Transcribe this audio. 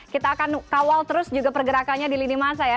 kita akan kawal terus juga pergerakannya di lini masa ya